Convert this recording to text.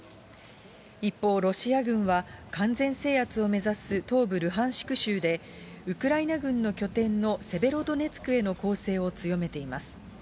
一方、ロシア軍は完全制圧を目指す東部ルハンシク州で、ウクライナ軍の拠点のセベロドネツクへの攻勢を強めています。